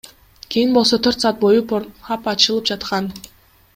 Кийин болсо төрт саат бою Порнхаб ачылып жаткан.